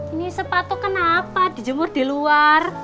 ini sepatu kenapa dijemur di luar